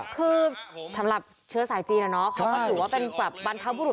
คือสำหรับเชื้อสายจีนเขาก็ถือว่าเป็นแบบบรรพบุรุษ